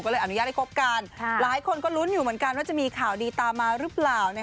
ก็เลยอนุญาตให้คบกันหลายคนก็ลุ้นอยู่เหมือนกันว่าจะมีข่าวดีตามมาหรือเปล่า